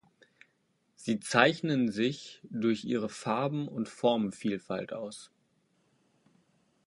Sie zeichnen sich durch ihre Farben- und Formenvielfalt aus.